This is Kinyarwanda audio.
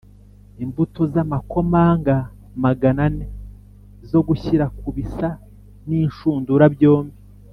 imbuto z’amakomamanga magana ane zo gushyira ku bisa n’inshundura byombi